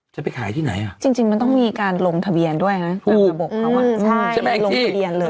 จะไปขายที่ไหนอ่ะจริงจริงมันต้องมีการลงทะเบียนด้วยนะถูกระบบเขาอ่ะใช่ใช่ไหมลงทะเบียนเลย